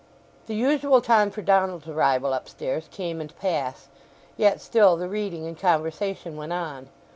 The usual time for Donald's arrival upstairs came and passed, yet still the reading and conversation went on.